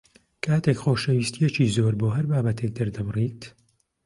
کاتێک خۆشەویستییەکی زۆر بۆ هەر بابەتێک دەردەبڕیت